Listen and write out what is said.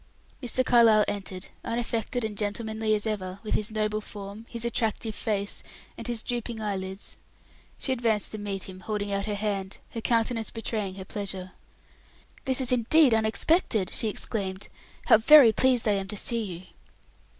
Mr. Carlyle entered, unaffected and gentlemanly as ever, with his noble form, his attractive face, and his drooping eyelids. She advanced to meet him, holding out her hand, her countenance betraying her pleasure. "This is indeed unexpected," she exclaimed. "How very pleased I am to see you."